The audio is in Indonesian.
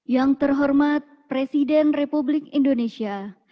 yang terhormat presiden republik indonesia